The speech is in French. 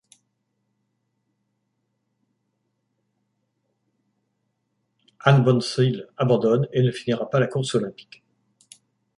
Ham Bon-Sil abandonne et ne finira pas la course olympique.